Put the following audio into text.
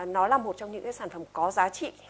nó là một trong những cái sản phẩm có giá trị